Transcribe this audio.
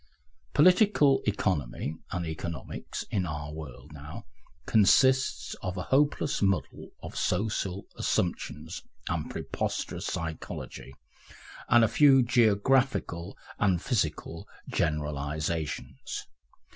Political economy and economics, in our world now, consist of a hopeless muddle of social assumptions and preposterous psychology, and a few geographical and physical generalisations.